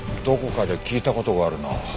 どこかで聞いた事があるな。